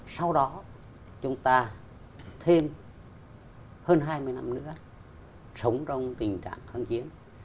sau đó chúng ta thêm hơn hai mươi năm nữa sống trong tình trạng kháng chiến